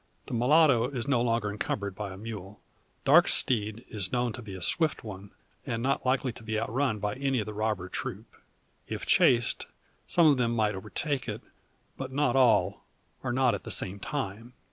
The mulatto is no longer encumbered by a mule. Darke's steed is known to be a swift one, and not likely to be outrun by any of the robber troop. If chased, some of them might overtake it, but not all, or not at the same time.